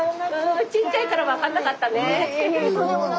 ちっちゃいから分かんなかったね。